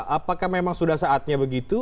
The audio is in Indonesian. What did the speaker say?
apakah memang sudah saatnya begitu